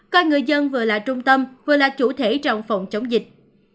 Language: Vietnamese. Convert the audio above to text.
coi người dân vừa là trung tâm vừa là chủ thể trong phòng chống dịch